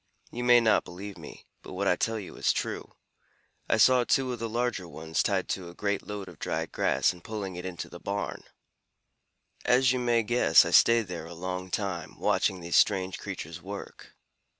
You may not believe me, but what I tell you is true. I saw two of the larger ones tied to a great load of dried grass and pulling it into the barn. "As you may guess, I stayed there a long time, watching these strange creatures work.